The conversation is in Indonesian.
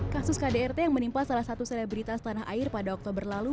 kasus kdrt yang menimpa salah satu selebritas tanah air pada oktober lalu